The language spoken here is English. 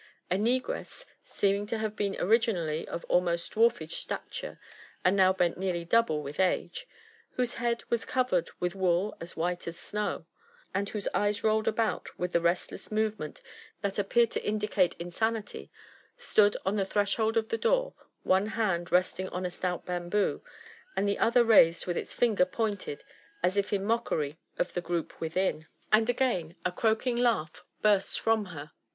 A negress, seeming to have been originally of almost dwarfish stature, and now bent nearly double with age, whose head was covered with wool as white as snow, and whose eyes rolled about with a restless movement that appeared to in dicate insanity, stood on the threshold of the door, one hand resting on a stout bamboo, and the other raised with its finger pointed as if in mockery of the group within ; and again a croaking laugh burst from her.